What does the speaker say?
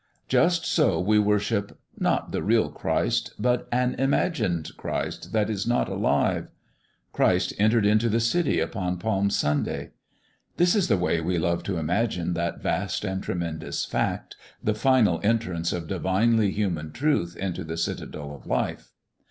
Just so we worship, not the real Christ, but an imagined Christ that is not alive. Christ entered into the city upon Palm Sunday. This is the way we love to imagine that vast and tremendous fact the final entrance of divinely human truth into the citadel of life.